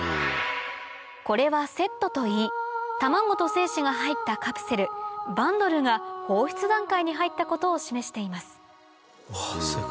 これはセットといい卵と精子が入ったカプセルバンドルが放出段階に入ったことを示しています